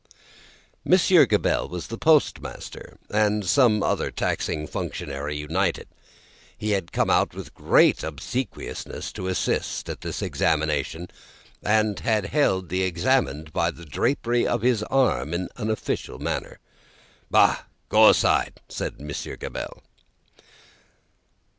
Monsieur Gabelle was the Postmaster, and some other taxing functionary united; he had come out with great obsequiousness to assist at this examination, and had held the examined by the drapery of his arm in an official manner. "Bah! Go aside!" said Monsieur Gabelle.